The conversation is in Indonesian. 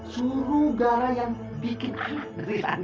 suruh gara yang bikin anak rani